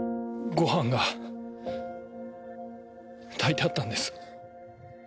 ご飯が炊いてあったんです。